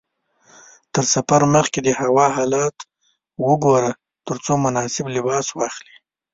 تر سفر مخکې د هوا حالت وګوره ترڅو مناسب لباس واخلې.